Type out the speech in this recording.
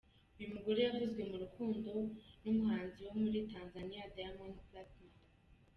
Uyu mugore yavuzwe mu rukundo n’umuhanzi wo muri Tanzania Diamond Platnmuz.